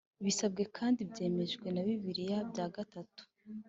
bisabwe kandi byemejwe na bibiri bya gatatu